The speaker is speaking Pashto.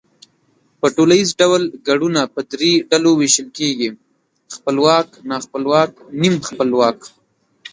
په ټوليز ډول گړونه په درې ډلو وېشل کېږي، خپلواک، ناخپلواک، نیم خپلواک